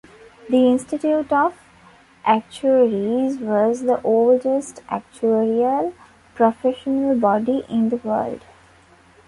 The Institute of Actuaries was the oldest actuarial professional body in the world.